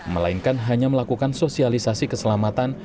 melainkan hanya melakukan sosialisasi keselamatan